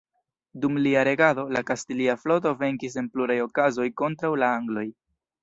Dum lia regado, la kastilia floto venkis en pluraj okazoj kontraŭ la angloj.